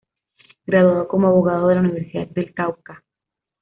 Graduado como abogado de la Universidad del Cauca.